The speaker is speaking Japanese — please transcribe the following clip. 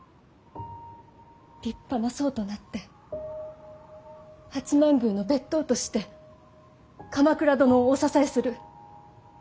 立派な僧となって八幡宮の別当として鎌倉殿をお支えする。